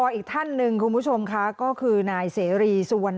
แจงอ่าไตนี่นำจับนะครับของวอร์เซรี่สวรรคัน